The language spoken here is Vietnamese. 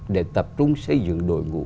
để tập trung xây dựng đội ngũ